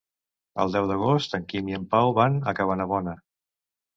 El deu d'agost en Quim i en Pau van a Cabanabona.